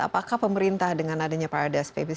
apakah pemerintah dengan adanya paradise papers